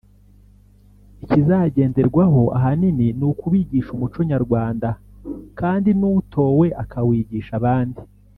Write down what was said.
ikizagenderwaho ahanini ni ukubigisha umuco nyarwanda kandi n’utowe akawigisha abandi